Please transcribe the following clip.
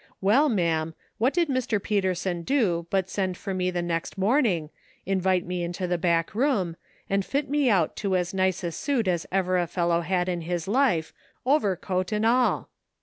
Well, ma'am, what did Mr. Peterson do but send for me the next morning, invite me into the back room, and fit me out to as nice a suit as ever a fellow had in his life, overcoat and all!